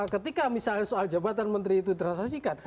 ketika misalnya soal jabatan menteri itu ditransaksikan